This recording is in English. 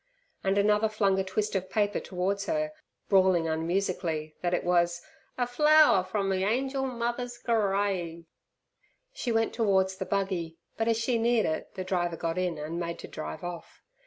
and another flung a twist of paper towards her, brawling unmusically, that it was "A flowwer from me angel mother's gerrave." She went towards the buggy, but as she neared it the driver got in and made to drive off.